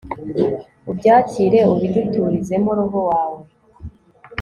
ubyakire ubiduturizemo roho wawe